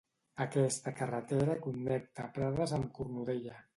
Aquesta carretera connecta Prades amb Cornudella.